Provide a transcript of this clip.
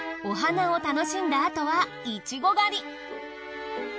お花を楽しんだあとはいちご狩り。